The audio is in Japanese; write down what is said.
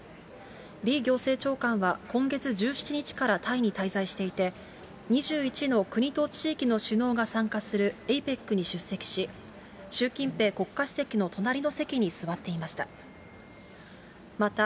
李行政長官は今月１７日からタイに滞在していて、２１の国と地域の首脳が参加するＡＰＥＣに出席し、習近平国家主席の隣の席に座っていました。